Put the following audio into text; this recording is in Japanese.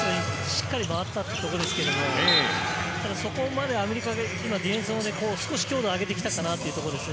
パスがしっかり回ったというところですけれども、そこまでアメリカはディフェンス、強度上げてきたかなという感じですね。